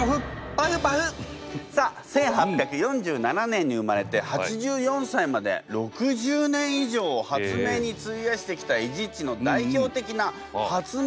１８４７年に生まれて８４歳まで６０年以上を発明に費やしてきたエジっちの代表的な発明品パネルにしました。